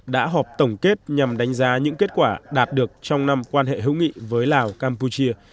đã họp tổng kết nhằm đánh giá những kết quả đạt được trong năm quan hệ hữu nghị với lào campuchia